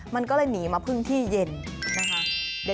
มันก็เลยหนีมาพึ่งที่เย็นนะคะ